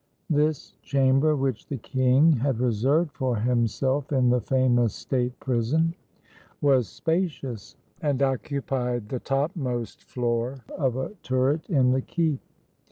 . This chamber which the king had reserved for himself 201 FRANCE in the famous state prison was spacious, and occupied the topmost floor of a turret in the keep.